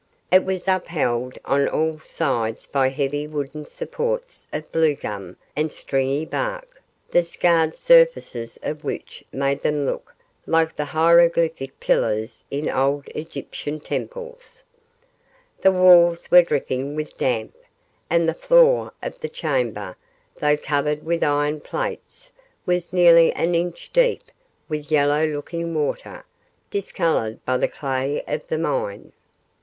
It was upheld on all sides by heavy wooden supports of bluegum and stringy bark, the scarred surfaces of which made them look like the hieroglyphic pillars in old Egyptian temples. The walls were dripping with damp, and the floor of the chamber, though covered with iron plates, was nearly an inch deep with yellow looking water, discoloured by the clay of the mine.